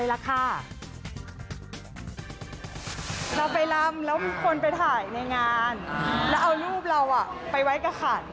แล้วเอารูปเราไปไว้กับขัน